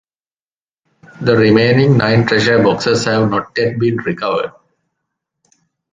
The remaining nine treasure boxes have not yet been recovered.